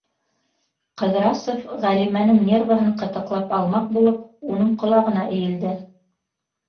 Ҡыҙрасов, Ғәлимәнең нервыһын ҡытыҡлап алмаҡ булып, уның ҡолағына эйелде: